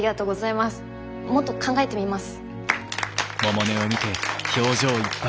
もっと考えてみます。